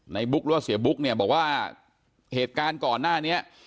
ในบุ๊คลัวเสียบุ๊คเนี่ยบอกว่าเหตุการณ์ก่อนหน้านี้